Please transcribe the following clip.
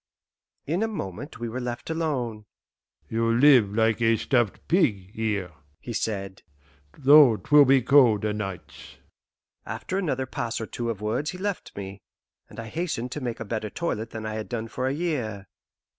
In a moment we were left alone. "You'll live like a stuffed pig here," he said, "though 'twill be cold o' nights." After another pass or two of words he left me, and I hastened to make a better toilet than I had done for a year.